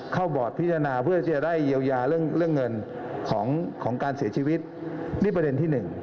บอร์ดพิจารณาเพื่อจะได้เยียวยาเรื่องเงินของการเสียชีวิตนี่ประเด็นที่๑